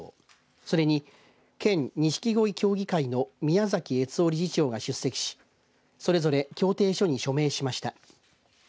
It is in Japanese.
それに県錦鯉協議会の宮崎悦男理事長が出席しそれぞれ協定書に署名しました。